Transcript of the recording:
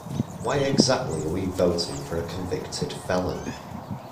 Why exactly are we voting for a convicted felon?